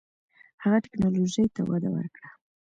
هغه ټیکنالوژۍ ته وده ورکړه.